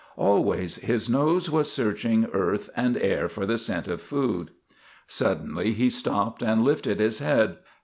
Always his nose was searching earth and air for the scent of food. Suddenly he stopped and lifted his head.